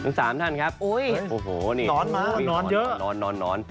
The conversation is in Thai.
ทั้งสามท่านครับโอ้โหนอนมานอนเยอะ